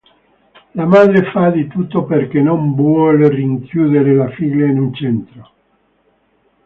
La madre fa di tutto perché non vuole rinchiudere la figlia in un centro.